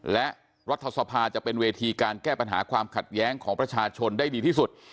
และรัฐสภาจะเป็นเวทีการแก้ปัญหาความขัดแย้งของประชาชนได้ดีที่สุด